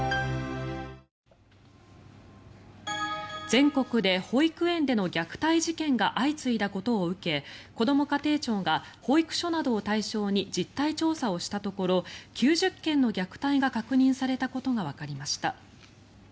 全国で保育園での虐待事件が相次いだことを受けこども家庭庁が保育所などを対象に実態調査をしたところ９０件の虐待が確認されたことがわかりました。